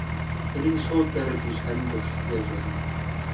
Энэ нь шууд дайралт биш харин туршилт байж болно.